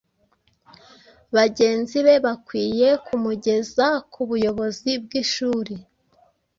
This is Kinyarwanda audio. bagenzi be bakwiye kumugeza ku buyobozi bw’ishuri